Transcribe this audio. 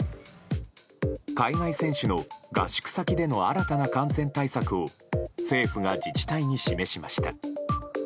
海外選手の合宿先での新たな感染対策を政府が自治体に示しました。